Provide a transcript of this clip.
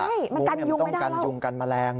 ใช่มันกันยุงไม่ได้แล้วมุ้งเนี่ยมันต้องกันยุงกันแมลง